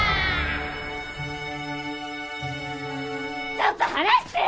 ちょっと放してよ！